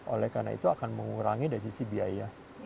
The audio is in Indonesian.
oleh karena itu akan mengurangi dari sisi biaya